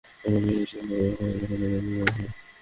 এবং বিরতি পরে আমাদের পুনর্জন্ম হয়।